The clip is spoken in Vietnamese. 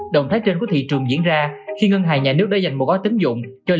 động thái trên của thị trường diễn ra khi ngân hàng nhà nước đã dành một gói tính dụng